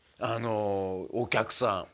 あのお客さん。